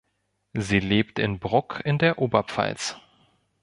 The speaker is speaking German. Sie lebt in Bruck in der Oberpfalz.